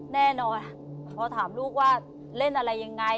แน่นอนพอถามลูกว่าเล่นอะไรยังไง